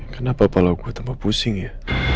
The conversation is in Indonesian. kenapa kalau gue tambah pusing ya